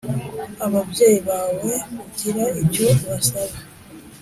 ababyeyi bawe ugira icyo ubasaba